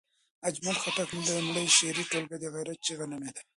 اجمل خټک لومړۍ شعري ټولګه د غیرت چغه نومېده.